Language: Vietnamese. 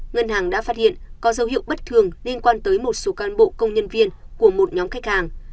ngân hàng đã phát hiện có dấu hiệu bất thường liên quan tới một số cán bộ công nhân viên của một nhóm khách hàng